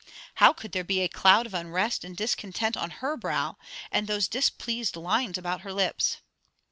How could there be a cloud of unrest and discontent on her brow, and those displeased lines about her lips?